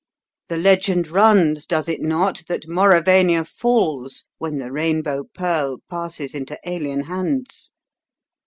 The legend runs, does it not, that Mauravania falls when the Rainbow Pearl passes into alien hands.